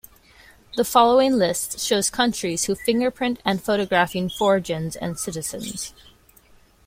The following list shows countries who fingerprint and photographing foregins and citizens.